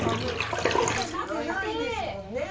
つけてないですもんね。